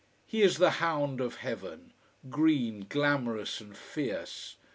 he is the hound of heaven, green, glamorous and fierce!